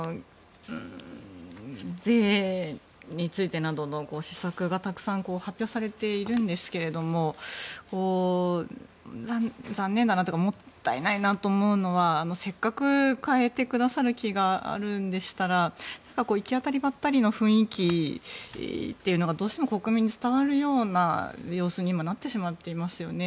税についてなどの施策がたくさん発表されているんですが残念だなというかもったいないなと思うのはせっかく変えてくださる気があるんでしたら行き当たりばったりの雰囲気というのがどうしても国民に伝わるような様子に今、なってしまっていますよね。